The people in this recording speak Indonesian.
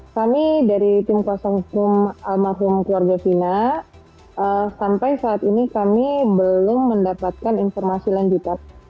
kami dari tim kuasa hukum almarhum keluarga fina sampai saat ini kami belum mendapatkan informasi lanjutan